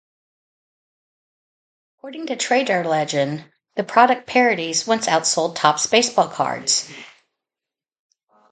According to trader legend, the product parodies once outsold Topps baseball cards.